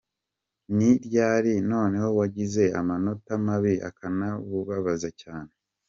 com : Ni ryari noneho wagize amanota mabi akanakubabaza cyane ?.